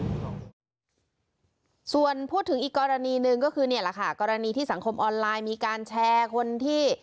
ส่วนพูดถึงอีกกรณีหนึ่งก็คือเนี่ยแหละค่ะกรณีที่สังคมออนไลน์มีการแชร์คนที่